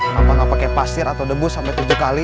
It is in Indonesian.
kenapa gak pake pasir atau debu sampai tujuh kali